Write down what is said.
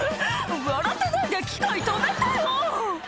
「笑ってないで機械止めてよ！」